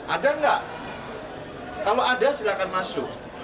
ada nggak kalau ada silakan masuk